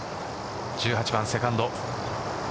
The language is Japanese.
１８番セカンド。